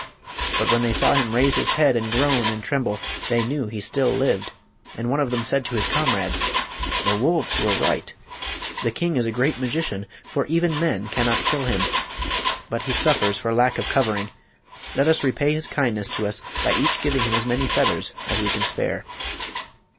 But when they saw him raise his head and groan and tremble they knew he still lived, and one of them said to his comrades: "The wolves were right. The king is a great magician, for even men cannot kill him. But he suffers for lack of covering. Let us repay his kindness to us by each giving him as many feathers as we can spare."